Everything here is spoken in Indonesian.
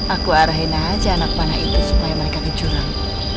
aku arahin aja anak panah itu supaya mereka ke jurang